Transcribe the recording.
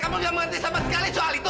kamu tidak mengerti sama sekali soal itu